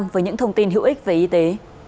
với những thông tin hữu ích về y tế